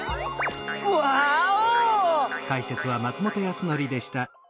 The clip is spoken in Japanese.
ワーオ！